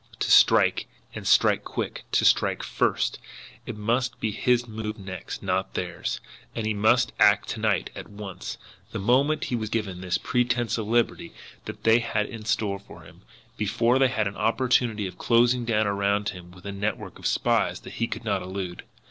To strike, and strike quickly to strike FIRST! It must be his move next not theirs! And he must act to night at once, the moment he was given this pretence to liberty that they had in store for him, before they had an opportunity of closing down around him with a network of spies that he could not elude.